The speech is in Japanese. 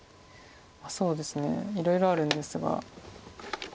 そうですねいろいろあるんですが。